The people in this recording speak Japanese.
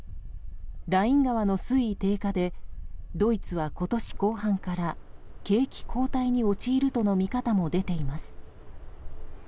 ライン川の水位低下でドイツは今年後半から景気後退に陥るとの見方も出ています。